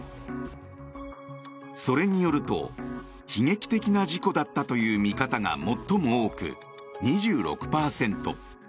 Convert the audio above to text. それによると悲劇的な事故だったという見方が最も多く、２６％。